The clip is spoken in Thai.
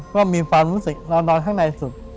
ก็มีความรู้สึกเรานอนข้างในสุด